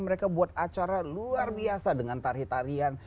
mereka buat acara luar biasa dengan tarian tarian